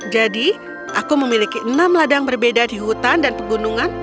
jadi aku memiliki enam ladang berbeda di hutan dan pegunungan